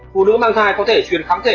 phụ nữ mang thai có thể chuyển kháng thể